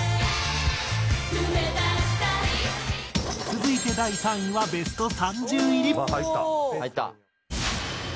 続いて第３位はベスト３０入り。